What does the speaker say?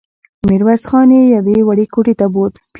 ميرويس خان يې يوې وړې کوټې ته بوت.